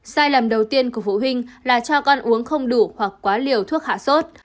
sai lầm đầu tiên của phụ huynh là cho con uống không đủ hoặc quá liều thuốc hạ sốt